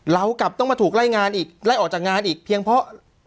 เรากลับต้องมาถูกไล่งานอีกไล่ออกจากงานอีกเพียงเพราะ